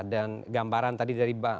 dan gambaran tadi dari bapak